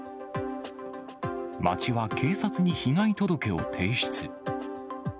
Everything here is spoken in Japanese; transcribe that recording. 町は警察に被害届を提出。